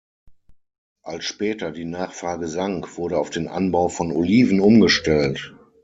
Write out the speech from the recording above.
Als später die Nachfrage sank, wurde auf den Anbau von Oliven umgestellt.